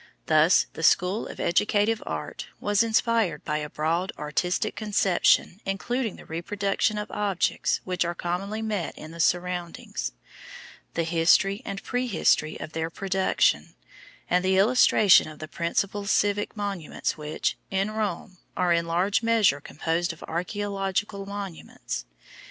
Thus the "School of Educative Art" was inspired by a broad artistic conception including the reproduction of objects which are commonly met in the surroundings; the history and pre history of their production, and the illustration of the principal civic monuments which, in Rome, are in large measure composed of archæological monuments.